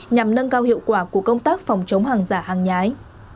nhằm nâng cao hiệu quả của công tác phòng chống hàng giả hàng nhái